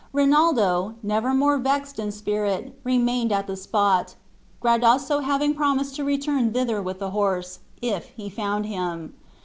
Rinaldo, never more vexed in spirit, remained at the spot, Gradasso having promised to return thither with the horse, if he found him.